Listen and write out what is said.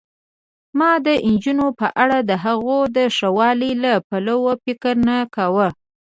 ما د نجونو په اړه دهغو د ښځوالي له پلوه فکر نه کاوه.